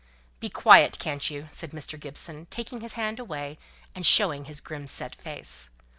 "Be quiet, can't you?" said Mr. Gibson, taking his hand away, and showing his grim set face.